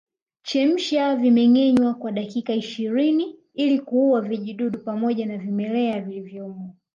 Chemsha vimengenywa kwa dakika ishirini ili kuua vijidudu pamoja na vimelea vilivyomo